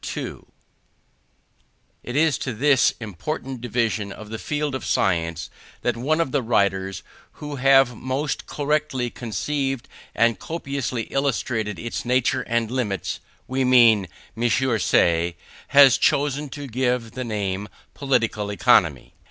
It is to this important division of the field of science that one of the writers who have most correctly conceived and copiously illustrated its nature and limits, we mean M. Say, has chosen to give the name Political Economy.